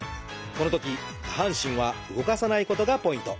このとき下半身は動かさないことがポイント。